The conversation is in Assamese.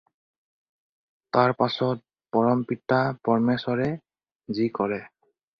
তাৰ পাছত পৰমপিতা পৰমেশ্বৰে যি কৰে।